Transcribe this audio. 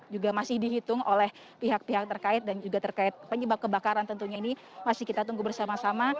juga masih dihitung oleh pihak pihak terkait dan juga terkait penyebab kebakaran tentunya dan juga terkait penyebab kebakaran tentunya dan juga terkait penyebab kebakaran tentunya